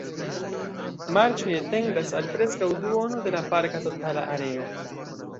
Marĉoj etendas al preskaŭ duono de la parka totala areo.